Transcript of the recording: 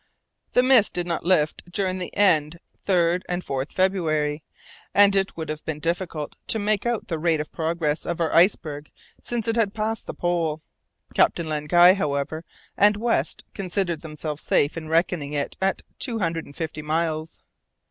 The mist did not lift during the 2nd, 3rd, and 4th of February, and it would have been difficult to make out the rate of progress of our iceberg since it had passed the pole. Captain Len Guy, however, and West, considered themselves safe in reckoning it at two hundred and fifty miles.